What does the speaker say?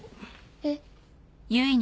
えっ。